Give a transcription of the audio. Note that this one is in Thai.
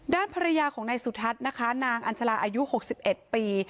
ด้านภรรยาในสุทรัสนางอาญาจราปี๖๑ปี